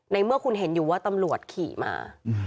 เมื่อคุณเห็นอยู่ว่าตำรวจขี่มา